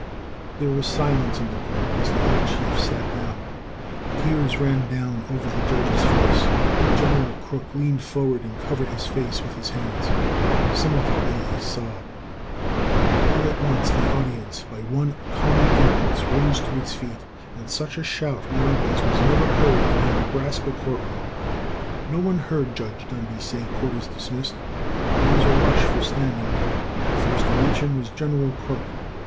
"There was silence in the court as the old chief sat down. Tears ran down over the judge's face. General Crook leaned forward and covered his face with his hands. Some of the ladies sobbed. "All at once that audience, by one common impulse, rose to its feet, and such a shout went up as was never heard in a Nebraska court room. No one heard Judge Dundy say, 'Court is dismissed.' There was a rush for Standing Bear. The first to reach him was General Crook.